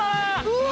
うわ！